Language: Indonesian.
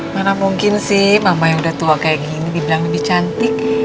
mana mungkin sih mama yang udah tua kayak gini dibilang lebih cantik